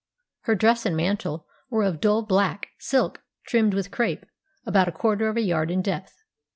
Her dress and mantle were of dull black silk trimmed with crêpe about a quarter of a yard in depth.